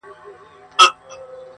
او بېلابېلي خبري کوي